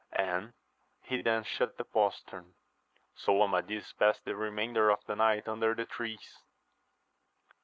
And he then shut the postern. So Amadis passed the remainder of the night under the trees.